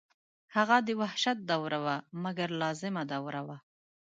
هغه د وحشت دوره وه مګر لازمه دوره وه.